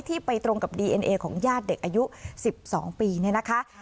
ไปตรงกับดีเอ็นเอของญาติเด็กอายุ๑๒ปีเนี่ยนะคะ